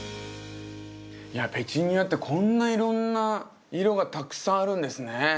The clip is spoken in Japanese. いやペチュニアってこんないろんな色がたくさんあるんですね。